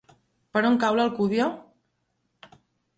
Per on cau l'Alcúdia?